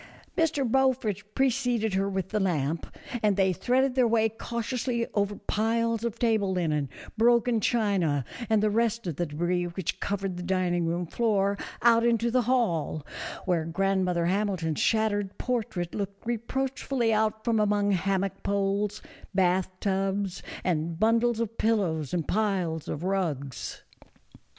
Mr. Beaufort preceded her with the lamp, and they threaded their way cautiously over piles of table linen, broken china and the rest of the debris which covered the dining room floor out into the hall, where grandmother Hamilton's shattered portrait looked reproachfully out from among hammock poles, bath tubs, and bundles of pillows and piles of rugs.